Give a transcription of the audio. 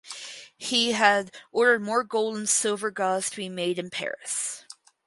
He had ordered more gold and silver gauze to be made in Paris.